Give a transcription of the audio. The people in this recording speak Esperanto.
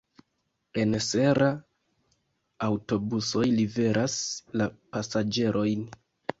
En Serra aŭtobusoj liveras la pasaĝerojn.